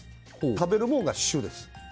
食べるほうが主です。